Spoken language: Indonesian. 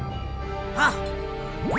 terima kasih dewi kala